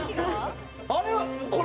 あれ？